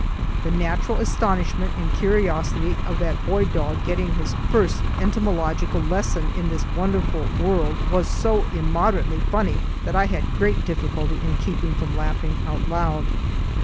The natural astonishment and curiosity of that boy dog getting his first entomological lesson in this wonderful world was so immoderately funny that I had great difficulty in keeping from laughing out loud.